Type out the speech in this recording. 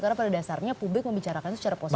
karena pada dasarnya publik membicarakan secara positif